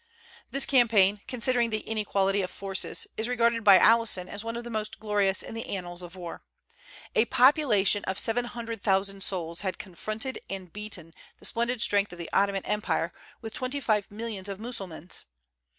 This campaign, considering the inequality of forces, is regarded by Alison as one of the most glorious in the annals of war. A population of seven hundred thousand souls had confronted and beaten the splendid strength of the Ottoman Empire, with twenty five millions of Mussulmans.